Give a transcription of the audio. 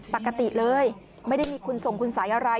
ปกติเลยไม่ได้มีคุณส่งคุณสัยอะไร